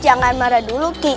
jangan marah dulu ki